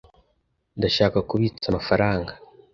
Ndashaka kubitsa amafaranga.